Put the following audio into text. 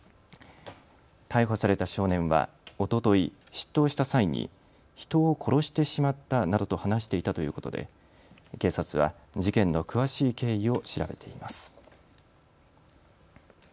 逮捕された少年はおととい、出頭した際に人を殺してしまったなどと話していたということで警察は事件の詳しい経緯を調べています。